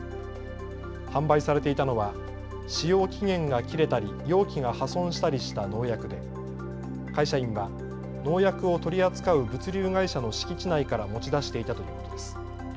販売されていたのは使用期限が切れたり容器が破損したりした農薬で会社員は農薬を取り扱う物流会社の敷地内から持ち出していたということです。